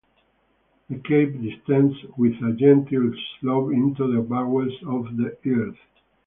The cave descends with a gentle slope into the bowels of the earth.